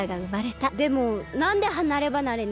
でもなんではなればなれに？